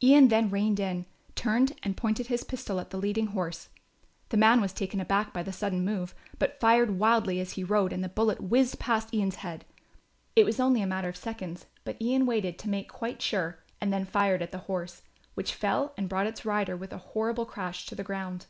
Ian then reined in, turned and pointed his pistol at the leading horse. The man was taken aback by the sudden move, but fired wildly as he rode and the bullet whizzed past Ian's head. It was only a matter of seconds, but Ian waited to make quite sure and then fired at the horse, which fell and brought its rider with a horrible crash to the ground.